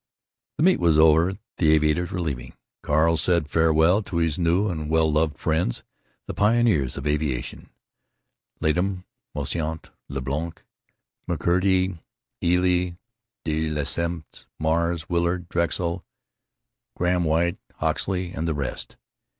The meet was over; the aviators were leaving. Carl had said farewell to his new and well loved friends, the pioneers of aviation—Latham, Moisant, Leblanc, McCurdy, Ely, de Lesseps, Mars, Willard, Drexel, Grahame White, Hoxsey, and the rest.